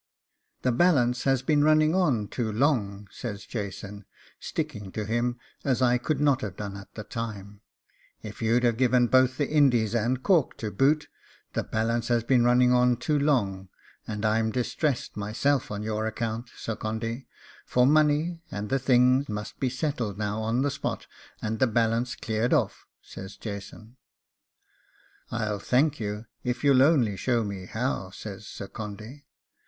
'The balance has been running on too long,' says Jason, sticking to him as I could not have done at the time, if you'd have given both the Indies and Cork to boot; 'the balance has been running on too long, and I'm distressed myself on your account, Sir Condy, for money, and the thing must be settled now on the spot, and the balance cleared off,' says Jason. 'I'll thank you if you'll only show me how,' says Sir Condy.